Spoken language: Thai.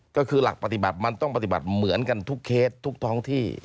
ก็คือหลักปฏิบัติมันต้องปฏิบัติเหมือนกันทุกเคสทุกท้องที่